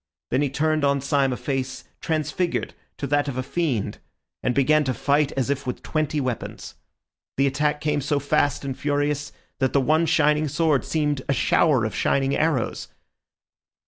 Then he turned on Syme a face transfigured to that of a fiend, and began to fight as if with twenty weapons. The attack came so fast and furious, that the one shining sword seemed a shower of shining arrows.